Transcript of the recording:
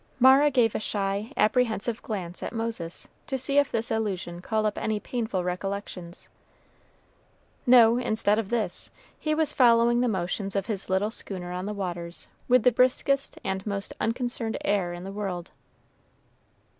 Mara gave a shy, apprehensive glance at Moses, to see if this allusion called up any painful recollections. No; instead of this, he was following the motions of his little schooner on the waters with the briskest and most unconcerned air in the world.